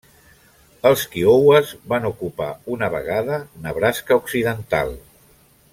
Els kiowes van ocupar una vegada Nebraska occidental.